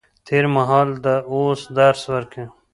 تېر مهال د اوس درس ورکوي.